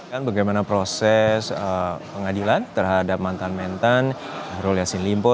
dan bagaimana proses pengadilan terhadap mantan mentan syahrul yassin limpo